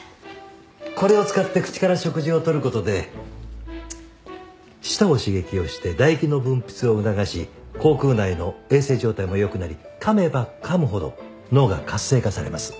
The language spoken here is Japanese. これを使って口から食事を取る事で舌を刺激して唾液の分泌を促し口腔内の衛生状態も良くなり噛めば噛むほど脳が活性化されます。